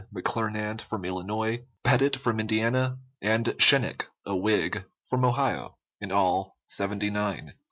McClernand from Illinois, Petit from Indiana, and Schenek, a Whig, from Ohio, in all seventy nine.